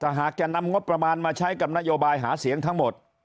หากจะนำงบประมาณมาใช้กับนโยบายหาเสียงทั้งหมด